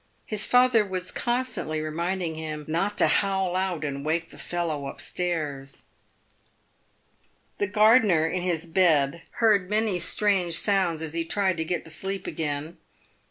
His father was constantly reminding him " not to howl out and wake the fellow up stairs." The gardener in his bed heard many strange sounds as he tried to get to sleep again.